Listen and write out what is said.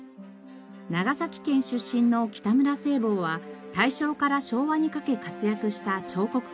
長崎県出身の北村西望は大正から昭和にかけ活躍した彫刻家です。